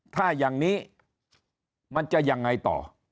ถ้าอย่างนี้มันจะยังไงต่อ